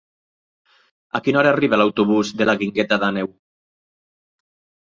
A quina hora arriba l'autobús de la Guingueta d'Àneu?